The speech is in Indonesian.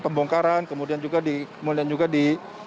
pembongkaran kemudian juga di